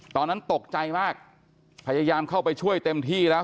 ตอนนั้นตกใจมากพยายามเข้าไปช่วยเต็มที่แล้ว